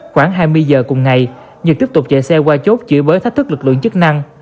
khoảng hai mươi giờ cùng ngày nhật tiếp tục chạy xe qua chốt chửi bới thách thức lực lượng chức năng